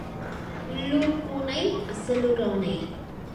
உள்ளூர்ப் பூனை, அசலூர் ஆனை.